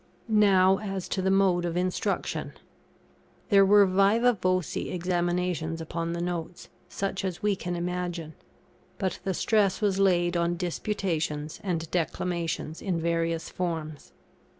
Now as to the mode of instruction. There were vivâ voce examinations upon the notes, such as we can imagine. But the stress was laid on Disputations and Declamations in various forms.